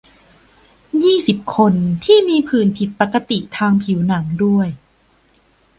ยี่สิบ คน ที่มีผื่นผิดปกติทางผิวหนังด้วย